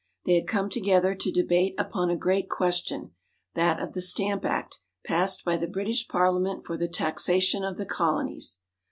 They had come together to debate upon a great question, that of the Stamp Act passed by the British Parliament for the taxation of the Colonies.